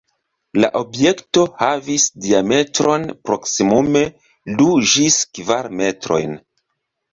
La objekto havis diametron proksimume du ĝis kvar metrojn.